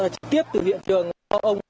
trực tiếp từ hiện trường